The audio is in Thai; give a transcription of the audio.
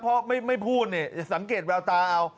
พอไม่พูดสังเกตแววตาเอา